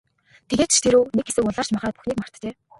Тэгээд ч тэр үү, нэг хэсэг улайрч махраад бүхнийг мартжээ.